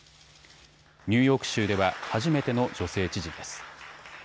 ニューヨーク州では初めての女性知事です。